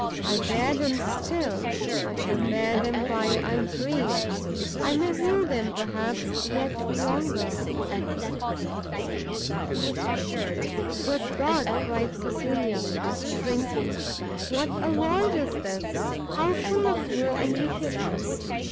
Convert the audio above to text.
I bear them still; I shall bear them while I breathe! I may rue them, perhaps, yet longer." "Good God!" cried Cecilia, shrinking, "what a world is this! how full of woe and wickedness!"